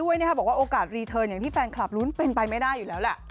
อย่างที่แฟนคลับรุ้นเป็นไปไม่ได้อยู่แล้วแหละ